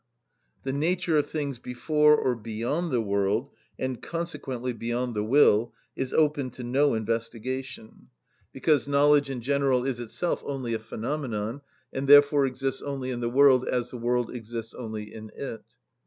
The nature of things before or beyond the world, and consequently beyond the will, is open to no investigation; because knowledge in general is itself only a phenomenon, and therefore exists only in the world as the world exists only in it.